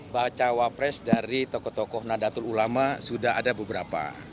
bacawapres dari tokoh tokoh nadatul ulama sudah ada beberapa